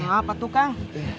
apa tuh kang